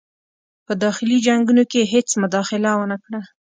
په داخلي جنګونو کې یې هیڅ مداخله ونه کړه.